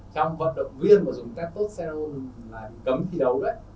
trong vận động viên mà dùng ketocell là bị cấm thi đấu đấy